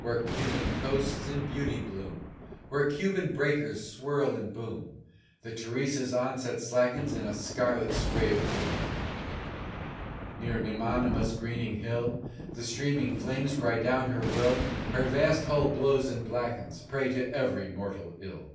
Where Cuban coasts in beauty bloom, Where Cuban breakers swirl and boom, The Teresa's onset slackens in a scarlet spray of doom; Near Nimanima's greening hill The streaming flames cry down her will, Her vast hull blows and blackens, prey to every mortal ill.